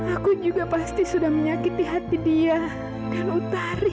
aku juga pasti sudah menyakiti hati dia dan utari